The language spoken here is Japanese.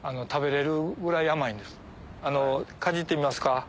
かじってみますか？